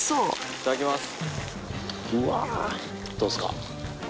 いただきます。